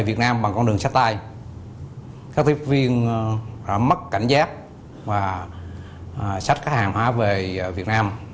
việt nam bằng con đường sách tay các tiếp viên đã mất cảnh giác và sách các hàng hóa về việt nam